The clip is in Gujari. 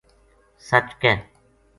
سَچ ک